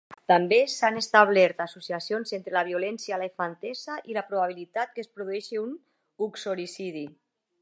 També s'han establert associacions entre la violència a la infantesa i la probabilitat que es produeixi un uxoricidi.